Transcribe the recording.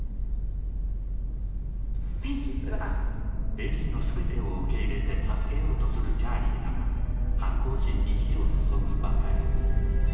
エリーの全てを受け入れて助けようとするチャーリーだが反抗心に火を注ぐばかり。